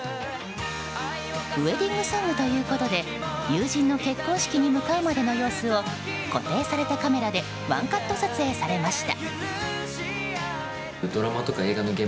「ウェディングソング」ということで友人の結婚式に向かうまでの様子を固定されたカメラでワンカット撮影されました。